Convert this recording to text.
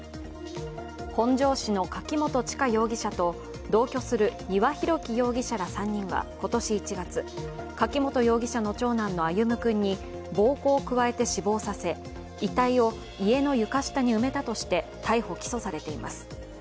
本庄市の柿本知香容疑者と同居する丹羽洋樹容疑者ら３人は今年１月、柿本容疑者の長男の歩夢君に暴行を加えて死亡させ遺体を家の床下に埋めたとして逮捕・起訴されています。